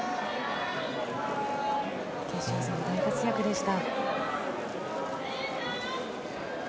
決勝戦で大活躍でした。